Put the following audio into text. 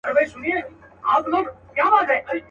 ستوني به وچ خولې به ګنډلي وي ګونګي به ګرځو.